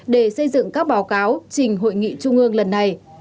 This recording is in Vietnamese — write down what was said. để xây dựng các báo cáo trình hội nghị trung ương lần này